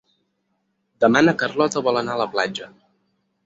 Demà na Carlota vol anar a la platja.